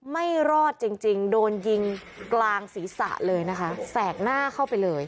ไม่รอดจริงจริงโดนยิงกลางศีรษะเลยนะคะแสกหน้าเข้าไปเลย